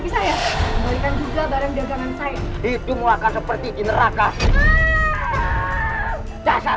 bisa juga balikan tv saya juga bareng dagangan saya hidup melakukan seperti di neraka jasad